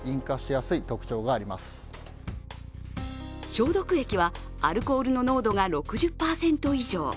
消毒液は、アルコールの濃度が６０％以上。